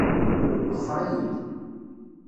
Ḍfer-iyi-d.